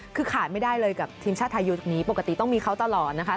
คือขาดไม่ได้เลยกับทีมชาติไทยยูจุดนี้ปกติต้องมีเขาตลอดนะคะ